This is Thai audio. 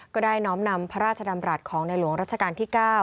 ก็ได้น้อมนำพระราชดำรัฐของในหลวงรัชกาลที่๙